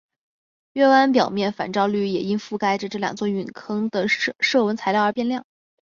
月湾表面反照率也因覆盖着这两座陨坑的射纹材料而变亮。